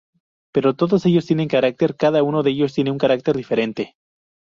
Pero todos ellos tienen carácter, cada uno de ellos tiene un carácter diferente".